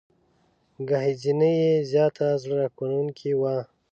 ګهیځنۍ یې زياته زړه راښکونکې وه.